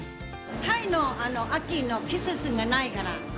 タイには秋の季節がないから。